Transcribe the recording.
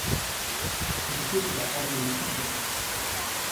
Мужики приготавливались обедать.